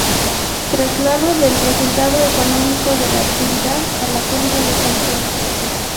Traslado del resultado económico de la actividad a la cuenta de control.